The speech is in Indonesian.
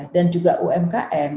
dan juga umkm